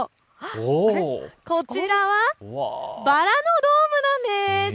こちらはバラのドームなんです。